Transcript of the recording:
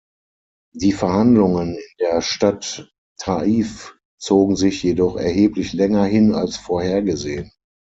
Die Verhandlungen in der Stadt Ta'if zogen sich jedoch erheblich länger hin als vorhergesehen.